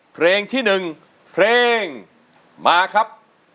เพลงที่๑เพลงมาครับ